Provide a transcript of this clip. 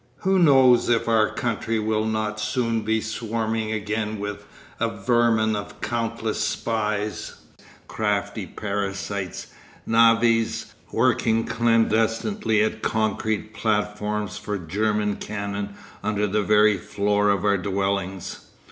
Who knows if our country will not soon be swarming again with a vermin of countless spies, crafty parasites, navvies working clandestinely at concrete platforms for German cannon under the very floors of our dwellings.